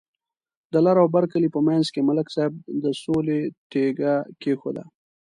د لر او بر کلي په منځ کې ملک صاحب د سولې تیگه کېښوده.